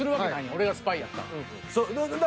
俺がスパイやったら。